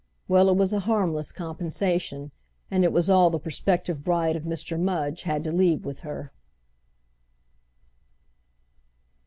Well, it was a harmless compensation, and it was all the prospective bride of Mr. Mudge had to leave with her.